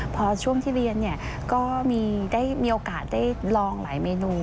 พอช่วงที่เรียนก็มีโอกาสได้ลองหลายเมนู